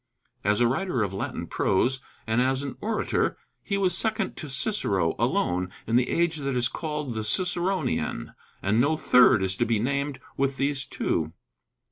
As a writer of Latin prose, and as an orator, he was second to Cicero alone in the age that is called the Ciceronian; and no third is to be named with these two.